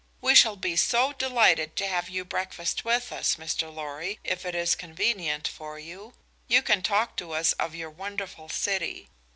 We shall be so delighted to have you breakfast with us, Mr. Lorry, if it is convenient for you. You can talk to us of your wonderful city.